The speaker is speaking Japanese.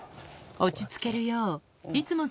落ち着けるよういつも